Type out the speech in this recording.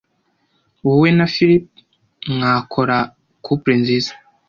Wowe na Philip mwakora couple nziza.